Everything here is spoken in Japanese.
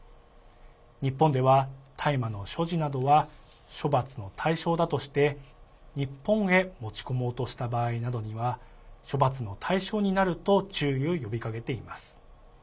日本では大麻の所持などは処罰の対象だとして日本へ持ち込もうとした場合などには処罰の対象になると注意を呼びかけています。